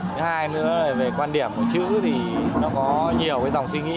thứ hai nữa về quan điểm của chữ thì nó có nhiều cái dòng suy nghĩ